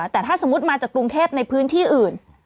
แต่ถ้าสมมุติมาจากกรุงเทพในพื้นที่อื่น